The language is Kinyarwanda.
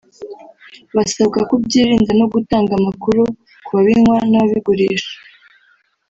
basabwa kubyirinda no gutanga amakuru ku babinywa n’ababigurisha